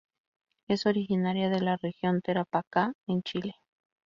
Es originaria de la I Región de Tarapacá en Chile.